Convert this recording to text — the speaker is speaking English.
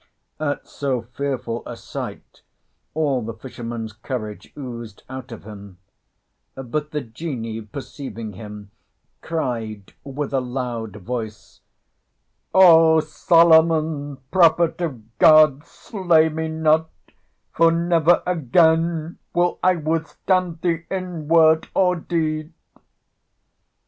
At so fearful a sight all the fisherman's courage oozed out of him; but the Genie, perceiving him, cried with a loud voice, "O, Solomon, Prophet of God, slay me not, for never again will I withstand thee in word or deed!"